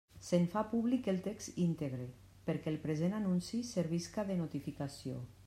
Se'n fa públic el text íntegre perquè el present anunci servisca de notificació.